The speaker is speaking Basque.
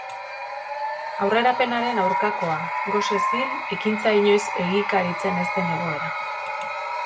Aurrerapenaren aurkakoa: gosez hil, ekintza inoiz egikaritzen ez den egoera.